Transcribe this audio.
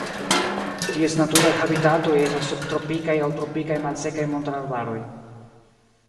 Ties naturaj habitatoj estas subtropikaj aŭ tropikaj malsekaj montararbaroj.